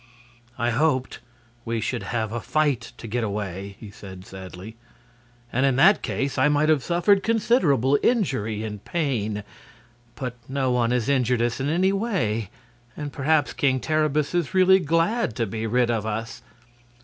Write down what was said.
"I hoped we should have a fight to get away," he said, sadly; "and in that case I might have suffered considerable injury and pain. But no one has injured us in any way, and perhaps King Terribus is really glad to be rid of us."